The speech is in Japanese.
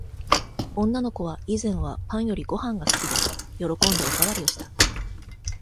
女の子は、以前は、パンより御飯が好きで、喜んでお代わりをした。